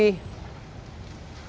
selamat malam raff raff